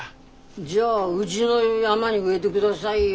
じゃあうぢの山に植えでくださいよ。